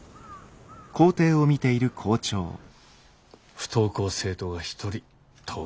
不登校生徒が１人登校したか。